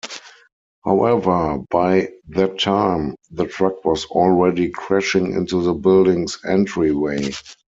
However, by that time the truck was already crashing into the building's entryway.